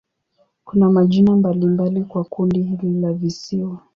Kuna majina mbalimbali kwa kundi hili la visiwa.